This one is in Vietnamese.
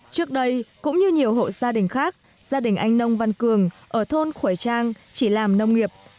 trước đây cũng như nhiều hộ gia đình khác gia đình anh nông văn cường ở thôn khuẩy trang chỉ làm nông nghiệp